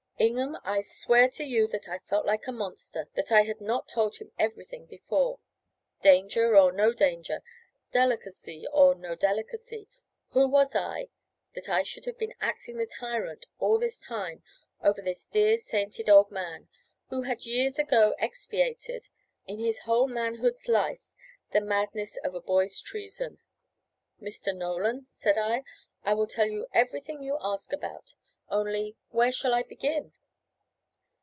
Ingham, I swear to you that I felt like a monster that I had not told him everything before. Danger or no danger, delicacy or no delicacy, who was I, that I should have been acting the tyrant all this time over this dear, sainted old man, who had years ago expiated, in his whole manhood's life, the madness of a boy's treason? "Mr. Nolan," said I, "I will tell you everything you ask about. Only, where shall I begin?"